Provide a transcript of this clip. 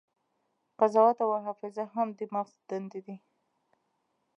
قضاوت او حافظه هم د مغز دندې دي.